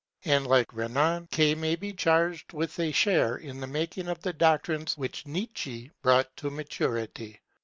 And, like Renan, K, may charged with a share in the making of the doctrines which Nietzsche (q.v.) brought to maturity.